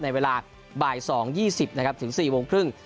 ในเวลาบ่าย๒๒๐ถึง๑๖๓๐น